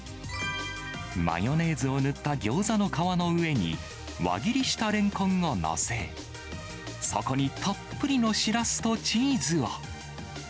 マヨネーズを塗ったギョーザの皮の上に、輪切りしたレンコンを載せ、そこにたっぷりのシラスとチーズを。